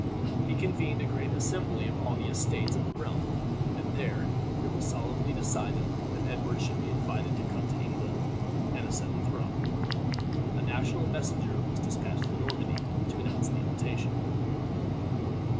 He convened a great assembly of all the estates of the realm, and there it was solemnly decided that Edward should be invited to come to England and ascend the throne. A national messenger was dispatched to Normandy to announce the invitation.